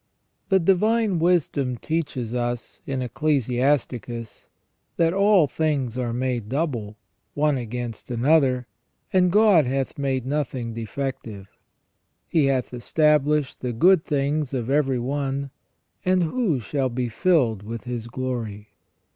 The Divine Wisdom teaches us, in Ecclesiasticus, that " all things are made double, one against another, and God hath made nothing defective. He hath established the good things of every one. And who shall be filled with His glory